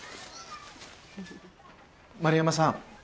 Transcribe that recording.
丸山さん